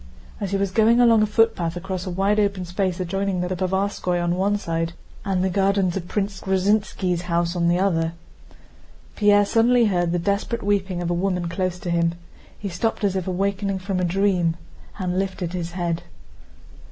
As he was going along a footpath across a wide open space adjoining the Povarskóy on one side and the gardens of Prince Gruzínski's house on the other, Pierre suddenly heard the desperate weeping of a woman close to him. He stopped as if awakening from a dream and lifted his head.